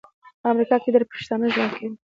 په امریکا کې ډیر پښتانه ژوند کوي